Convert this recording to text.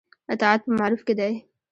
اطاعت په معروف کې دی